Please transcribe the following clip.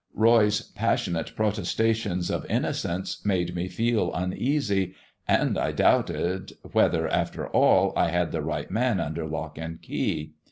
Roy's passionate protestations of innocence made me feel uneasy, and I doubted whether, after all, I had the right man under lock and key.